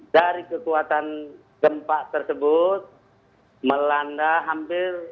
dari kekuatan gempa tersebut melanda hampir